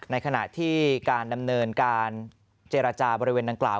ในขณะที่การดำเนินการเจรจาบริเวณดังกล่าว